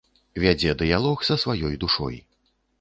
Вядзе дыялог са сваёй душой.